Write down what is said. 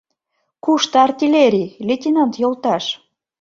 Кушто артиллерий, лейтенант йолташ?!